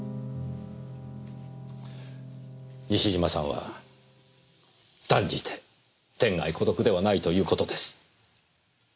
西島さんは断じて天涯孤独ではないという事です。